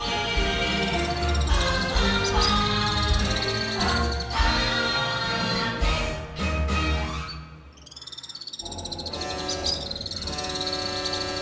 「ファンファンファン」ボボ！